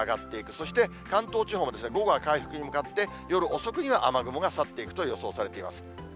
そして関東地方も午後は回復に向かって、夜遅くには雨雲が去っていくと予想されています。